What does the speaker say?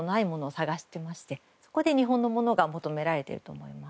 そこで日本のものが求められてると思います。